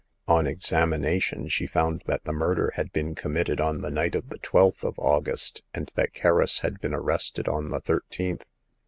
On examination she found that the murder had been committed on the night of the twelfth of August, and that Kerris had been arrested on the thirteenth.